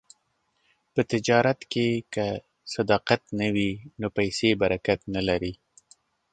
په تجارت کې که صداقت نه وي، نو پیسې برکت نه لري.